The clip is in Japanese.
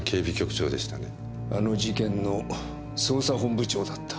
あの事件の捜査本部長だった。